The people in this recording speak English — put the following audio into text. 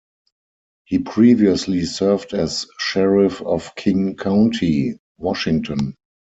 He previously served as sheriff of King County, Washington.